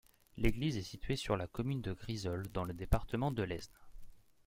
L'église est située sur la commune de Grisolles, dans le département de l'Aisne.